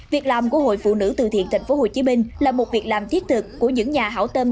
việc làm của hội phụ nữ từ thiện tp hcm là một việc làm thiết thực của những nhà hảo tâm